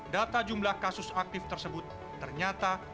data jumlah kasus aktif tersebut ternyata